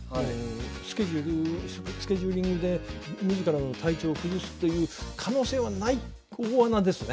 スケジュールスケジューリングで自らの体調を崩すという可能性はない大穴。